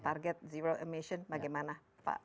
target zero emission bagaimana pak